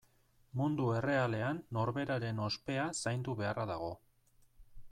Mundu errealean norberaren ospea zaindu beharra dago.